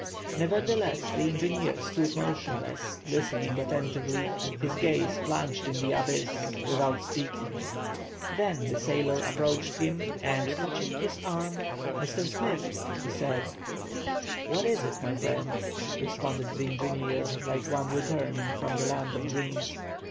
Nevertheless the engineer stood motionless, listening attentively, his gaze plunged in the abyss, without speaking. Then the sailor approached him, and, touching his arm:— "Mr. Smith," he said. "What is it, my friend," responded the engineer, like one returning from the land of dreams.